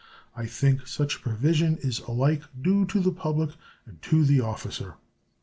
I think such a provision is alike due to the public and to the officer.